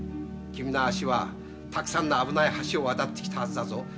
君の足はたくさんの危ない橋を渡ってきたはずだぞ。